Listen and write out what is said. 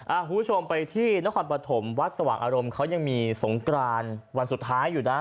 คุณผู้ชมไปที่นครปฐมวัดสว่างอารมณ์เขายังมีสงกรานวันสุดท้ายอยู่นะ